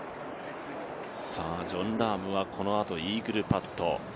ジョン・ラームはこのあとイーグルパット。